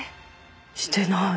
してない。